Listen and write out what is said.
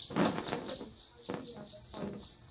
مړه ته د صفا زړه ارادت غواړو